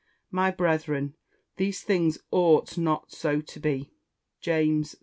My brethren, these things ought not so to be." JAMES III.